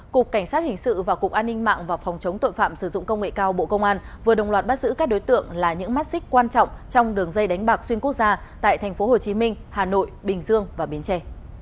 cục cảnh sát hình sự và cục an ninh mạng và phòng chống tội phạm sử dụng công nghệ cao bộ công an vừa đồng loạt bắt giữ các đối tượng là những mắt xích quan trọng trong đường dây đánh bạc xuyên quốc gia tại tp hcm hà nội bình dương và bến tre